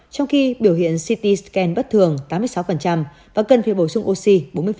trong khi biểu hiện ct scan bất thường tám mươi sáu và cân phía bổ sung oxy bốn mươi